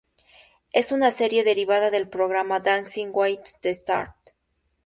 Es una serie derivada del programa "Dancing with the Stars".